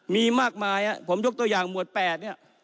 มีมากมายผมยกตัวอย่างมวดแบบ๘